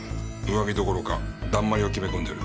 上着どころかだんまりを決め込んでる。